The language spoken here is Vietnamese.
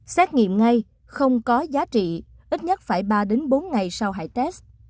xét nghiệm ngay không có giá trị ít nhất phải ba đến bốn ngày sau hãy test